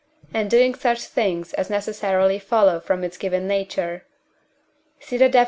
and doing such things as necessarily follow from its given nature (see the Def.